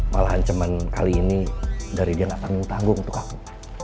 malahan cuma kali ini dari dia gak tanggung tanggung untuk aku